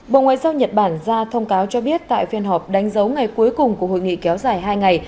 bộ ngoại giao nhật bản ra thông cáo cho biết tại phiên họp đánh dấu ngày cuối cùng của hội nghị kéo dài hai ngày